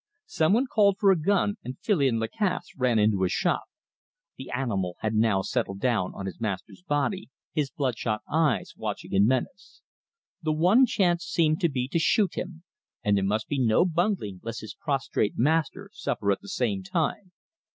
Some one called for a gun, and Filion Lacasse ran into his shop. The animal had now settled down on his master's body, his bloodshot eyes watching in menace. The one chance seemed to be to shoot him, and there must be no bungling, lest his prostrate master suffer at the same time.